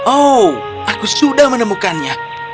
oh aku sudah menemukannya